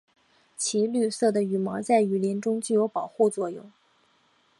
其绿色的羽毛在雨林中具有保护作用。